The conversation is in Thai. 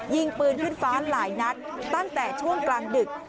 ยิงปืนขึ้นฟ้าหลายนัดตั้งแต่ช่วงกลางดึก